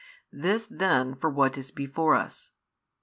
This then for what is before us.